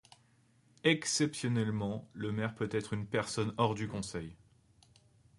Exceptionnellement, le maire peut être une personne hors du conseil.